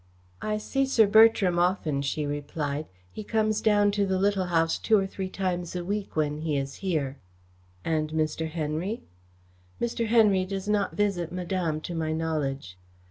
"I see Sir Bertram often," she replied. "He comes down to the Little House two or three times a week when he is here." "And Mr. Henry?" "Mr. Henry does not visit Madame to my knowledge."